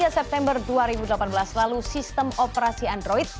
tiga september dua ribu delapan belas lalu sistem operasi android